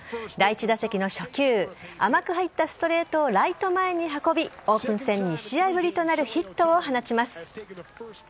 第１打席の初球、甘く入ったストレートをライト前に運び、オープン戦２試合ぶりとなるヒットを放ちます。